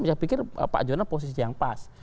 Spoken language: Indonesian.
saya pikir pak jonan posisi yang pas